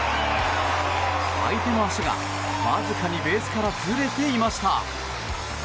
相手の足がわずかにベースからずれていました。